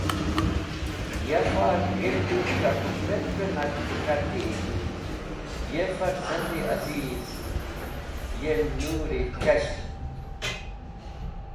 Ya far g̃hirdi tra k̃hũ peter nag k̃he k̃hati: Ye Farzandi Aziz! Ye Nur-e Chashm!